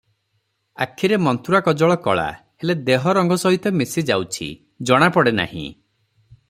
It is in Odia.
ଆଖିରେ ମନ୍ତ୍ରା କଜ୍ୱଳ କଳା, ହେଲେ ଦେହ ରଙ୍ଗ ସହିତ ମିଶି ଯାଇଛି, ଜଣା ପଡ଼େ ନାହିଁ ।